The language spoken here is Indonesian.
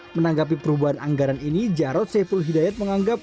menanggapi perubahan anggaran ini jarod saiful hidayat menganggap